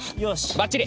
ばっちり！